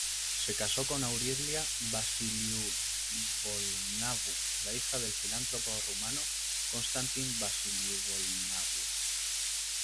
Se casó con Aurelia Vasiliu-Bolnavu, la hija del filántropo rumano Constantin Vasiliu-Bolnavu.